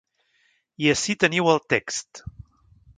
I ací teniu el text.